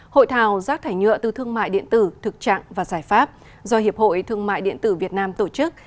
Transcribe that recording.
hội thảo rác thải nhựa từ thương mại điện tử thực trạng và giải pháp do hiệp hội thương mại điện tử việt nam tổ chức